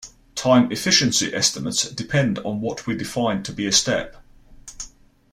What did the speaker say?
Time efficiency estimates depend on what we define to be a step.